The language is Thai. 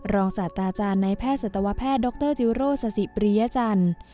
ศาสตราจารย์ในแพทย์สัตวแพทย์ดรจิโรสสิปริยจันทร์